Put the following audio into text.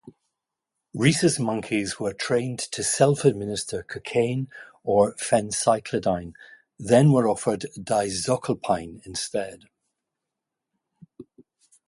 Rhesus monkeys were trained to self-administer cocaine or phencyclidine, then were offered dizocilpine instead.